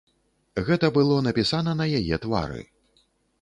Гэта было напісана на яе твары.